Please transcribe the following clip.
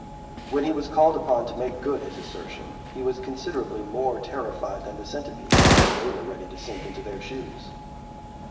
When he was called upon to make good his assertion, he was considerably more terrified than the Centipedes, though they were ready to sink into their shoes.